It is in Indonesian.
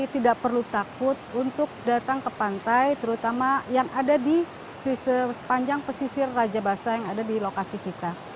tidak perlu takut untuk datang ke pantai terutama yang ada di sepanjang pesisir raja basah yang ada di lokasi kita